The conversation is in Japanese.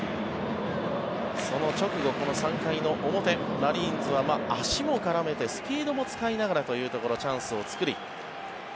その直後、この３回の表マリーンズは足も絡めてスピードも使いながらというところチャンスを作り